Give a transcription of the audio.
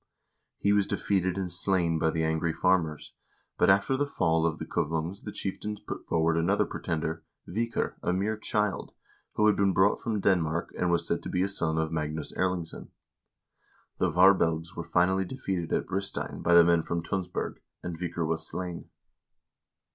He was defeated and slain by the angry farmers; but after the fall of the Kuvlungs the chieftains put forward another pretender, Vikar, a mere child, who had been brought from Denmark, and was said to be a son of Magnus Erlingsson. The Varbelgs were finally defeated at Bristein by the men from Tunsberg, and Vikar was slain.